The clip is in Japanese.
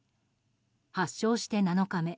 発症して７日目。